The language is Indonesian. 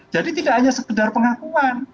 jadi tidak hanya sekedar pengakuan